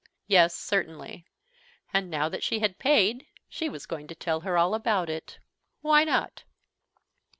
Yes, certainly. And now that she had paid, she was going to tell her all about it. Why not?